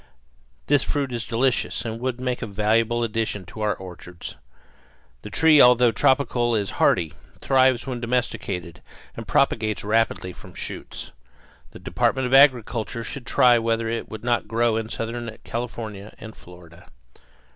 This fruit is delicious and would make a valuable addition to our orchards. The tree although tropical is hardy, thrives when domesticated, and propagates rapidly from shoots. The Department of Agriculture should try whether it would not grow in southern California and Florida.